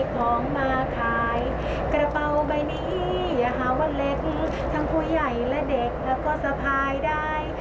โปรไบนี้อย่าหาว่าเล็กทั้งผู้ใหญ่และเด็กและก็สะพายได้